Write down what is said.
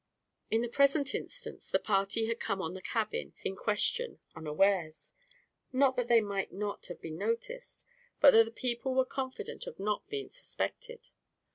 In the present instance the party had come on the cabin in question unawares; not that they might not have been noticed, but that the people were confident of not being suspected.